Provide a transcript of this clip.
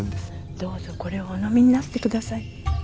どうぞこれをお飲みになってください。